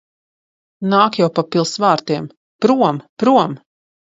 Nāk jau pa pils vārtiem. Prom! Prom!